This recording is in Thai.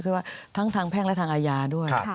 คือว่าทั้งทางแพ่งและทางอาญาด้วย